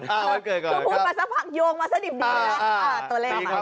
คุณผู้ชมมาซะผักโยงมาซะดิบดีเลยล่ะ